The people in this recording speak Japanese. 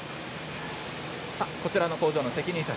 こちらの工場の責任者